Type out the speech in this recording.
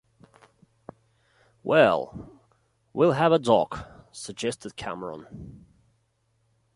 "Well, we'll have a dog," suggested Cameron.